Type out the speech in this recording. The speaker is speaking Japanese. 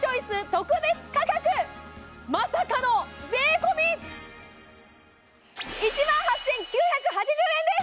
特別価格まさかの税込１万８９８０円です！